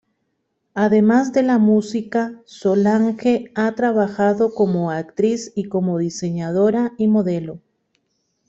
Además de la música, Solange ha trabajado como actriz y como diseñadora y modelo.